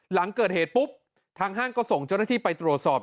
หลังเกิดเหตุปุ๊บทางห้างก็ส่งเจ้าหน้าที่ไปตรวจสอบ